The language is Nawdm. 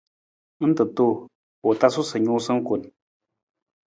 Ng ta tuu, u tasu sa nuusa kun.